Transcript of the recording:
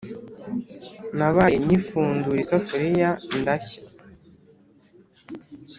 Nabaye nyifundura isafuriya ndashya